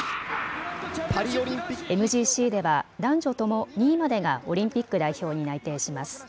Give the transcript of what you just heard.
ＭＧＣでは男女とも２位までがオリンピック代表に内定します。